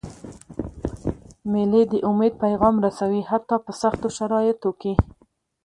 مېلې د امید پیغام رسوي، حتی په سختو شرایطو کي.